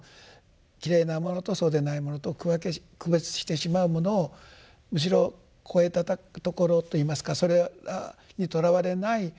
きれいなものとそうでないものと区分け区別してしまうものをむしろ超えたところといいますかそれにとらわれない。